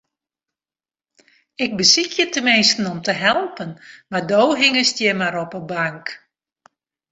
Ik besykje teminsten om te helpen, mar do hingest hjir mar op 'e bank.